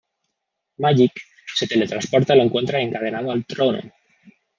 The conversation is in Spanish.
Magik se teletransporta y lo encuentra encadenado al trono.